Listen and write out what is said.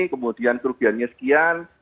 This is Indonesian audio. kemudian kerugiannya sekian